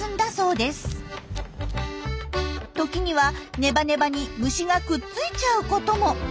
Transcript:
時にはネバネバに虫がくっついちゃうことも。